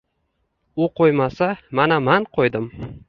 U qo‘ymasa, mana man qo‘ydim!